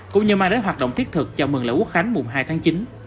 cũng như mang đến hoạt động thiết thực chào mừng lễ quốc khánh mùng hai tháng chín